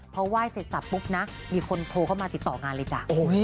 พอไหว้เสร็จสับปุ๊บนะมีคนโทรเข้ามาติดต่องานเลยจ้ะ